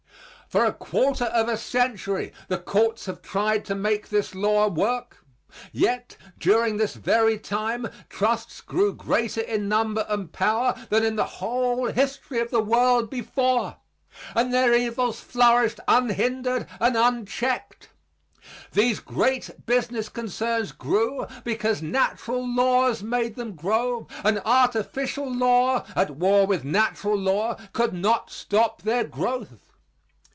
For a quarter of a century the courts have tried to make this law work. Yet during this very time trusts grew greater in number and power than in the whole history of the world before; and their evils flourished unhindered and unchecked. These great business concerns grew because natural laws made them grow and artificial law at war with natural law could not stop their growth.